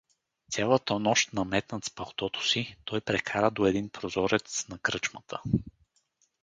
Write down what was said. Цялата нощ, наметнат с палтото си, той прекара до един прозорец на кръчмата.